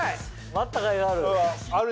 待ったかいがある。